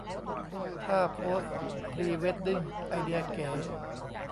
ท่าโพสพรีเวดดิ้งไอเดียเก๋